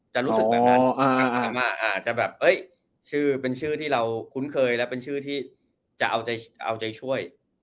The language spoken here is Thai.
จะรู้สึกแบบนั้นจะแบบเป็นชื่อที่เราคุ้นเคยและเป็นชื่อที่จะเอาใจช่วย